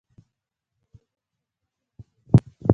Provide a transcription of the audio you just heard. جلغوزي په پکتیا کې مشهور دي